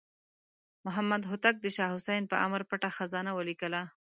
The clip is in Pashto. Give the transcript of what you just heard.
محمد هوتک د شاه حسین په امر پټه خزانه ولیکله.